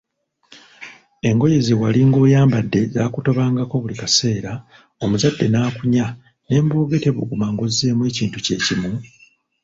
Engoye zewalinga oyambadde zaakutobangako buli kaseera, omuzadde nakunya n'embooge tebuguma nga ozzeemu ekintu kye kimu?